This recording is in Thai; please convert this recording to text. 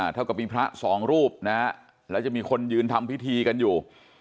เท่ากับมีพระสองรูปนะฮะแล้วจะมีคนยืนทำพิธีกันอยู่